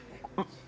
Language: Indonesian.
sampai akhir ya